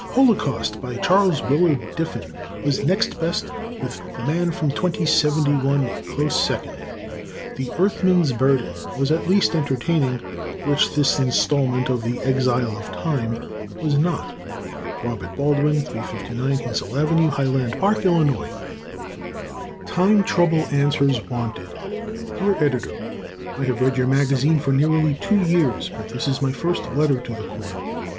"Holocaust," by Charles Willard Diffin, was next best with "The Man from 2071" a close second. "The Earthman's Burden" was at least entertaining, which this installment of "The Exile of Time" was not. Robert Baldwin, 359 Hazel Ave., Highland Park, Ill. Time Trouble Answers Wanted Dear Editor: I have read your magazine for nearly two years, but this is my first letter to the "Corner."